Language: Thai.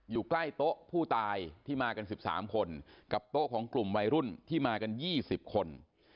อยู่ใกล้โต๊ะผู้ตายที่มากัน๑๓คนกับโต๊ะของกลุ่มวัยรุ่นที่มากัน๒๐คน